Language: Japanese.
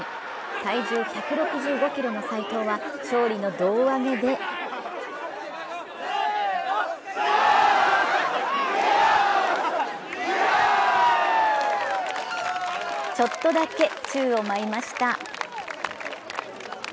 体重１６５ｋｇの斉藤は勝利の胴上げでちょっとだけ、宙を舞いました。